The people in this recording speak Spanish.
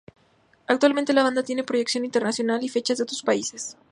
Actualmente la banda tiene proyección internacional y fechas en otros países.